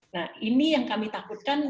nah ini yang kami takutkan